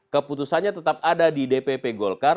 keputusannya tetap ada di dpp golkar